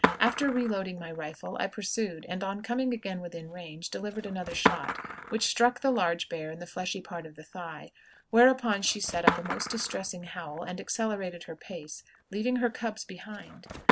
After reloading my rifle, I pursued, and, on coming again within range, delivered another shot, which struck the large bear in the fleshy part of the thigh, whereupon she set up a most distressing howl and accelerated her pace, leaving her cubs behind.